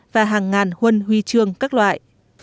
và hàng ngàn huân huy trường các loại